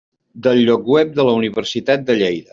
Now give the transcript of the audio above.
Del lloc web de la Universitat de Lleida.